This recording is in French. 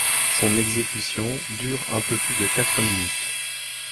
Son exécution dure un peu plus de quatre minutes.